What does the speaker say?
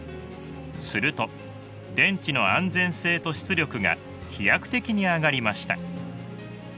すると電池の安全性と出力が飛躍的に上がりました。